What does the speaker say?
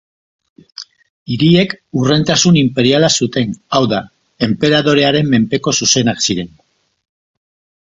Hiriek hurrentasun inperiala zuten, hau da, enperadorearen menpeko zuzenak ziren.